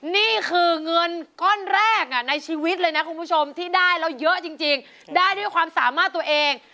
นี่คือเงินก้อนแรกในชีวิตเลยนะคุณผู้ชมที่ได้แล้วเยอะจริงได้ด้วยความสามารถตัวเอง